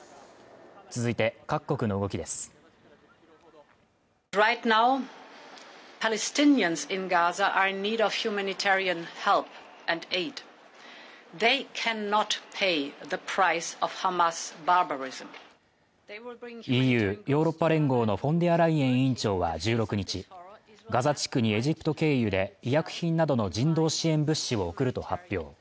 続いて各国の動きですＥＵ＝ヨーロッパ連合のフォンデアライエン委員長は１６日ガザ地区にエジプト経由で医薬品などの人道支援物資を送ると発表